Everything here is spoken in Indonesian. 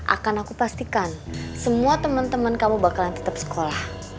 akan aku pastikan semua teman teman kamu bakalan tetap sekolah